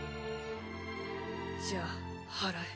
じゃあ祓え。